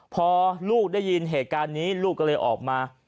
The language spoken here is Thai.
พอลูกได้ยินเหตุการณ์นี้ลูกก็เลยออกมา